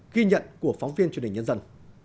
ghi nhận của phóng viên truyền hình nhân dân